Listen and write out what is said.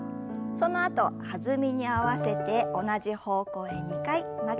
そのあと弾みに合わせて同じ方向へ２回曲げて戻します。